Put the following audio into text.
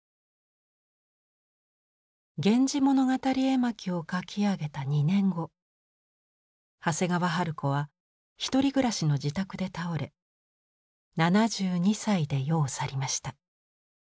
「源氏物語絵巻」を描き上げた２年後長谷川春子は独り暮らしの自宅で倒れ７２歳で世を去りました。